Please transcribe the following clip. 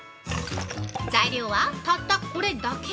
材料は、たったこれだけ。